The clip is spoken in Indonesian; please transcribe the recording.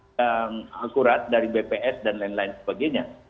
data ini data akurat dari bps dan lain lain sebagainya